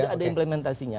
tidak ada implementasinya